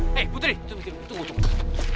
hei putri tunggu tunggu